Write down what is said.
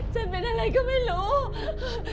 ฉันเป็นอะไรก็ไม่รู้